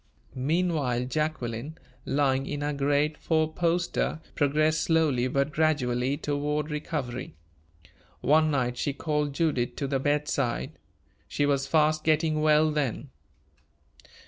Meanwhile Jacqueline, lying in her great four poster, progressed slowly but gradually toward recovery. One night she called Judith to the bedside. She was fast getting well then.